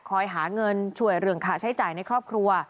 หาเงินช่วยเรื่องค่าใช้จ่ายในครอบครัว